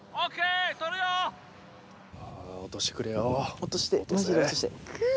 落として。